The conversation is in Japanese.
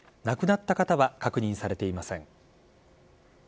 亡くなった方は確認されていません。